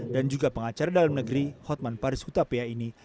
dan juga pengacara dalam negeri hotman paris utapia ini